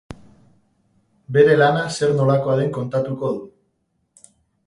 Bere lana zer nolakoa den kontatuko du.